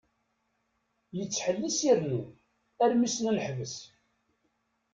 Yettḥellis irennu, armi s-nnan ḥbes.